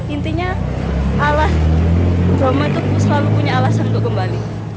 intinya ala bromo itu selalu punya alasan untuk kembali